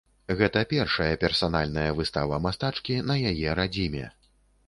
Гэта першая персанальная выстава мастачкі на яе радзіме.